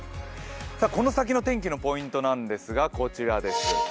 この先の天気のポイントなんですが、こちらです。